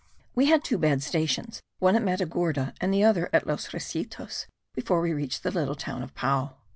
We had two bad stations, one at Matagorda and the other at Los Riecetos, before we reached the little town of Pao.